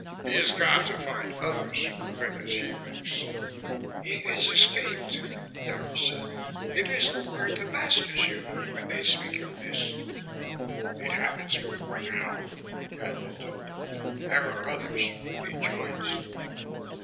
He is gone to find others who think as he thinks." "He is escaped," Dara said. "It is the word the masters use, when they speak of this." "It happens before now," Cadnan told her. "There are others, whom he joins."